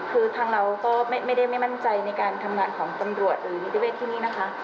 คือทางเราก็ไม่ได้ไม่มั่นใจในการทำงานของตำรวจหรือนิติเวศที่นี่นะคะ